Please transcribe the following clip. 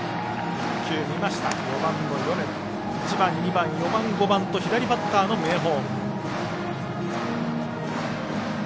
１番、２番、４番、５番と左バッターの明豊。